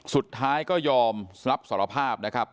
สุดท้ายก็ยอมรับสารภาพนะครับ